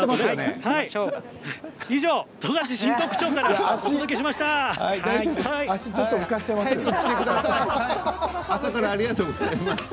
以上、十勝新得町からお届けしました。